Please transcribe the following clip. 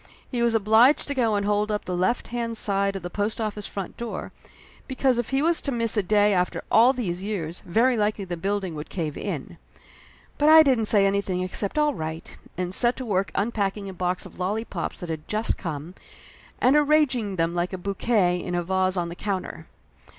He was obliged to go and hold up the left hand side of the post office front door, because if he was to miss a day after all these years very likely the building would cave in. But I didn't say anything except all right, and set to work unpacking a box of lollypops that had just come, and arranging them like a bouquet in a vase on the counter.